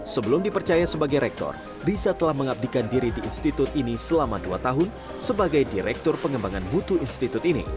sebelum dipercaya sebagai rektor riza telah mengabdikan diri di institut ini selama dua tahun sebagai direktur pengembangan mutu institut ini